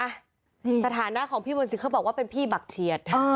สถานะของพี่มนศิษย์เขาบอกว่าเป็นพี่บักเฉียด